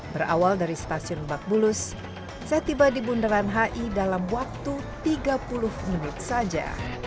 berawal dari stasiun lebak bulus saya tiba di bundaran hi dalam waktu tiga puluh menit saja